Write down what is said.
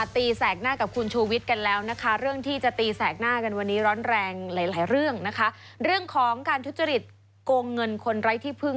แต่ผมว่าไม่ได้หรอกนะ